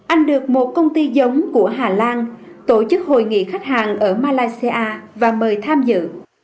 anh được một công ty giống của hà lan tổ chức hội nghị khách hàng ở malaysia và mời tham dự